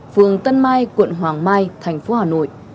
phường tân mai quận hoàng mai thành phố hà nội